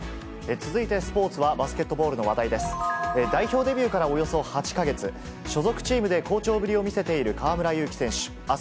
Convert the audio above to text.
続いてスポーツは、バスケットボールの話題です。